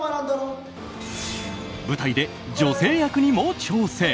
舞台で女性役にも挑戦。